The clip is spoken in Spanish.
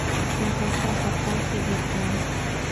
Se encuentra en Japón y Vietnam.